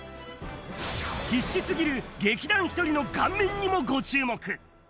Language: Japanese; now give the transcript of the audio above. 必死すぎる劇団ひとりの顔面にもご注目。